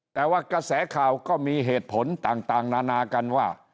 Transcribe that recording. แต่ว่ากระแสข่าวก็มีเหตุผลต่างนานากันว่า